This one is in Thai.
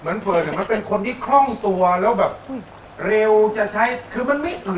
เหมือนเฟิร์นอ่ะมันเป็นคนที่คล่องตัวแล้วแบบเร็วจะใช้คือมันไม่อึดอาด